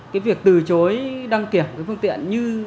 cái việc từ chối đăng kiểm cái phương tiện như